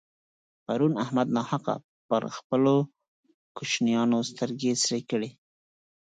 پرون احمد ناحقه پر خپلو کوشنيانو سترګې سرې کړې.